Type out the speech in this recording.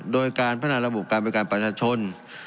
โดยการพัฒนาระบบการบริการประชาชน